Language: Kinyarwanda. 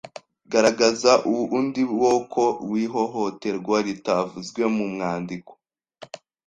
Garagaza uundi woko w’ihohoterwa ritavuzwe mu mwandiko